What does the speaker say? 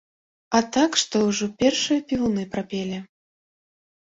А так, што ўжо першыя певуны прапелі.